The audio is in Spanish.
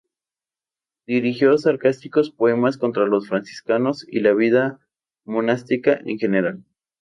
Dirigió sarcásticos poemas contra los franciscanos y la vida monástica en general.